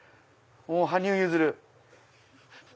羽生結弦！